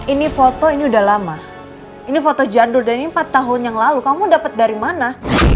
ini foto ini udah lama ini foto jandur dan ini empat tahun yang lalu kamu dapat dari mana